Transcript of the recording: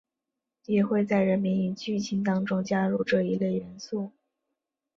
也会在人名与剧情当中加入这一类元素。